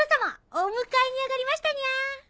お迎えにあがりましたにゃ！